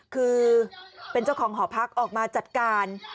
คือเป็นเจ้าของหอพักออกมาจัดการ